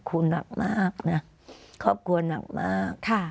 คุณหนักมากนะครอบครัวหนักมาก